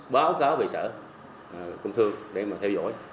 báo cáo về sở công thương để mà theo dõi